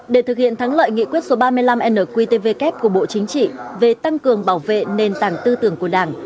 để thực hiện thắng lợi nghị quyết số ba mươi năm nqtvk của bộ chính trị về tăng cường bảo vệ nền tảng tư tưởng của đảng